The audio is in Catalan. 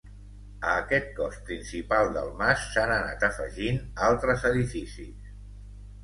A aquest cos principal del mas s'han anat afegint altres edificis.